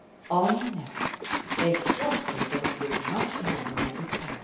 I never, if Gloucester don't look much more like a town."